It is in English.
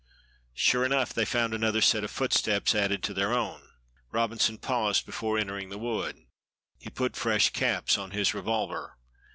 Sure enough they found another set of footsteps added to their own. Robinson paused before entering the wood. He put fresh caps on his revolver.